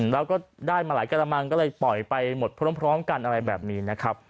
แล้วก็ได้มาหลายกระมังก็เลยปล่อยไปหมดพร้อมกันอะไรแบบนี้นะครับ